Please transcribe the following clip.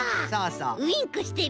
ウインクしてる。